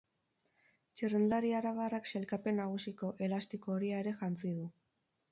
Txirrindulari arabarrak sailkapen nagusiko elastiko horia ere jantzi du.